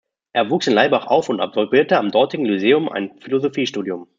Er wuchs in Laibach auf und absolvierte am dortigen Lyzeum ein Philosophiestudium.